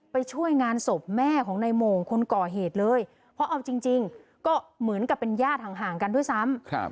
ไปช่วยงานศพแม่ของนายโมงคนก่อเหตุเลยเพราะเอาจริงก็เหมือนกับเป็นญาติห่างกันด้วยซ้ำ